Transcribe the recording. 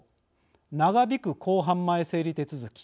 長引く公判前整理手続き。